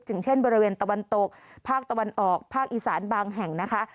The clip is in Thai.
เช่นบริเวณตะวันตกภาคตะวันออกภาคอีสานบางแห่งนะคะ